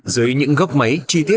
dưới những góc máy chi tiết